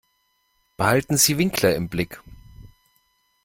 Behalten Sie Winkler im Blick.